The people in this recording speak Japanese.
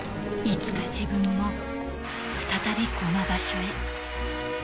いつか自分も、再びこの場所へ。